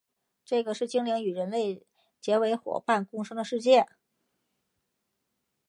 这是个精灵与人类结为夥伴共生的世界。